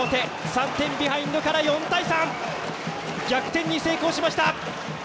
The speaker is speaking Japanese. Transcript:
３点ビハインドから４対３！逆転に成功しました！